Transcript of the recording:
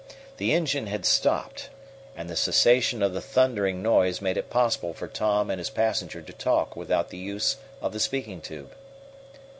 The engine had stopped, and the cessation of the thundering noise made it possible for Tom and his passenger to talk without the use of the speaking tube.